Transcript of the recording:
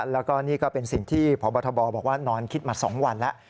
แล้วก็นี่ก็เป็นสิ่งที่พบทบบอกว่านอนคิดมา๒วันแล้ว